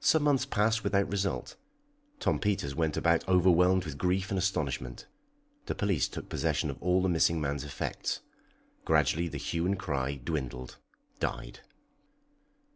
Some months passed without result. Tom Peters went about overwhelmed with grief and astonishment. The police took possession of all the missing man's effects. Gradually the hue and cry dwindled, died.